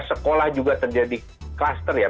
sekolah juga terjadi kluster ya